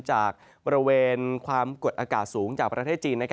จากบริเวณความกดอากาศสูงจากประเทศจีน